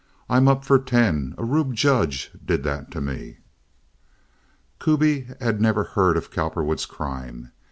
"I'm up for ten. A rube judge did that to me." Kuby had never heard of Cowperwood's crime.